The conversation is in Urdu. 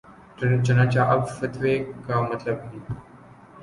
چنانچہ اب فتوے کا مطلب ہی